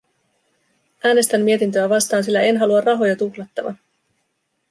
Äänestän mietintöä vastaan, sillä en halua rahoja tuhlattavan.